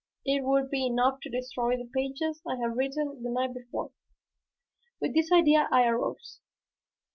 It would be enough to destroy the pages I had written the night before. With this idea I arose.